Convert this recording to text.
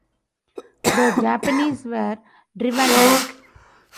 The Japanese were driven back.